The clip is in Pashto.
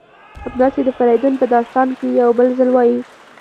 همداسې د فریدون په داستان کې یو بل ځل وایي: